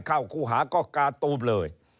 เข้าครูหาก็กาตูบเลย